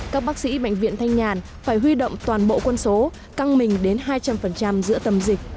các bác sĩ bệnh viện thanh nhàn phải huy động toàn bộ quân số căng mình đến hai trăm linh giữa tâm dịch